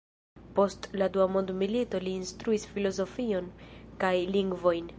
Post la dua mondmilito li instruis filozofion kaj lingvojn.